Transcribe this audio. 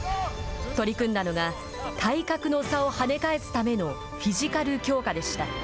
取り組んだのが体格の差をはね返すためのフィジカル強化でした。